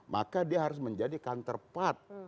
maka dia harus menjadi kantor part